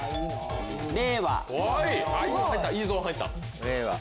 令和！